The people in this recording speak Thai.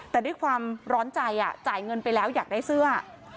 แต่ด้วยความร้อนใจจ่ายเงินไปแล้วอยากได้เสื้อ